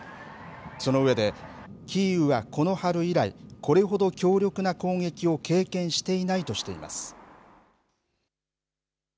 その上で、キーウはこの春以来、これほど強力な攻撃を経験していないとしています。